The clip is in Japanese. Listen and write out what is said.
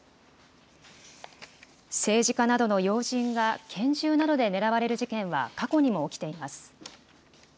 政治家などの要人が拳銃などで狙われる事件は、過去にも起きています。